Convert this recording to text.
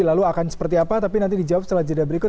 lalu akan seperti apa tapi nanti dijawab setelah jeda berikut